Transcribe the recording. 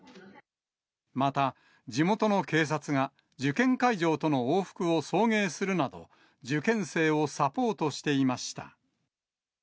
また地元の警察が、受験会場との往復を送迎するなど、受験生をサポートしていました。